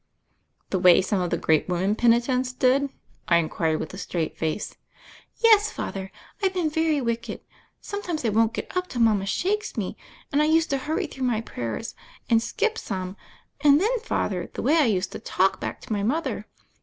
"The way some of the great women penitents did?" I inquired with a straight face. "Yes, Father. I've been very wicked. Some times I won't get up till mama shakes me ; and I used to hurry through my prayers — and skip some ; and then, Father, the way I used to talk back to my mother!